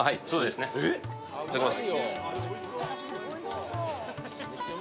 いただきます。